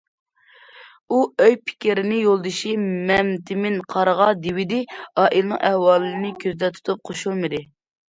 ئۇ ئوي- پىكرىنى يولدىشى مەمتىمىن قارىغا دېۋىدى، ئائىلىنىڭ ئەھۋالىنى كۆزدە تۇتۇپ قوشۇلمىدى.